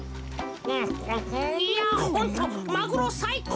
いやホントマグロさいこう！